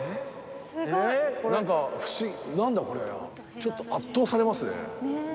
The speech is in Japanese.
ちょっと圧倒されますね。